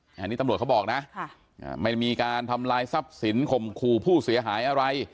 อันนี้ตำรวจเขาบอกนะไม่มีการทำลายทรัพย์สินข่มขู่ผู้เสียหายอะไร